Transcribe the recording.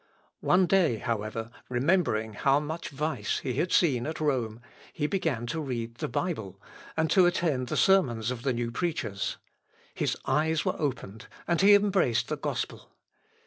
One day, however, remembering how much vice he had seen at Rome, he began to read the Bible, and to attend the sermons of the new preachers; his eyes were opened, and he embraced the gospel.